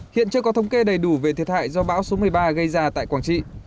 hiện chưa có thống kê đầy đủ về thiệt hại do bão số một mươi ba gây ra tại quảng trị